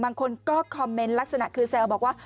บางคนก็คอมเมนต์ลักษณะคือแซวบอกว่า